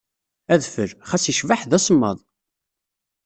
Adfel, xas icbeḥ d asemmaḍ.